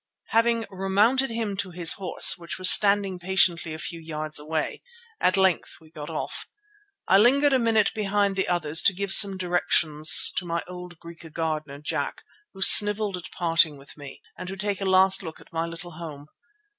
Having remounted him on his horse, which was standing patiently a few yards away, at length we got off. I lingered a minute behind the others to give some directions to my old Griqua gardener, Jack, who snivelled at parting with me, and to take a last look at my little home.